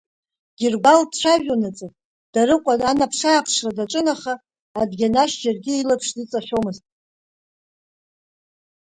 Гьыргәал дцәажәонаҵы Дарыҟәа анаԥшыааԥшра даҿын, аха Адгьанашь џьаргьы илаԥш дыҵашәомызт.